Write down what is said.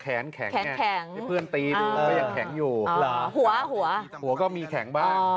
แขนแข็งไงให้เพื่อนตีดูก็อยากแข็งอยู่หัวก็มีแข็งบ้าง